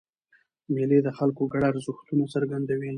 مېلې د خلکو ګډ ارزښتونه څرګندوي.